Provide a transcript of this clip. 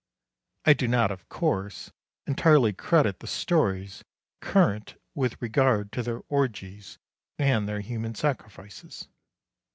I do not, of course, entirely credit the stories current with regard to their orgies and their human sacrifices.